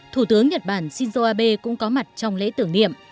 thủ tướng nhật bản shinzo abe cũng có mặt trong lễ tưởng niệm